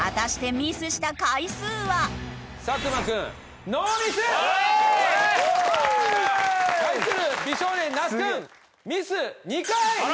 フォー！対する美少年那須君ミス２回。